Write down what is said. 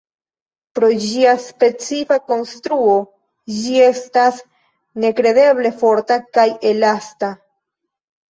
Pro ĝia specifa konstruo, ĝi estas nekredeble forta kaj elasta.